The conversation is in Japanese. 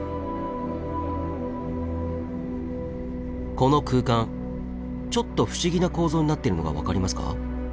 この空間ちょっと不思議な構造になっているのが分かりますか？